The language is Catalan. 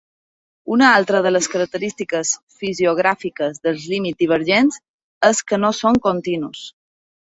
Una altra de les característiques fisiogràfiques dels límits divergents és que no són continus.